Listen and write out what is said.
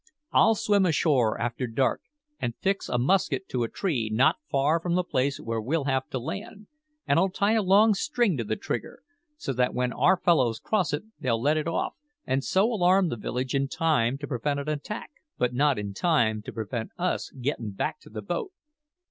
I'll swim ashore after dark and fix a musket to a tree not far from the place where we'll have to land, and I'll tie a long string to the trigger, so that when our fellows cross it they'll let it off, and so alarm the village in time to prevent an attack, but not in time to prevent us gettin' back to the boat.